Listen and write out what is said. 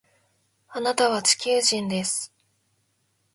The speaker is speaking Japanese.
あなたは地球人です